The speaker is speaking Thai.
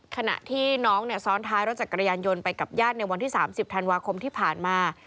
ขณะที่น้องซ้อนท้ายรถจักรยานยนต์ไปกับญาติในวันที่๓๐ธันวาคมที่ผ่านมา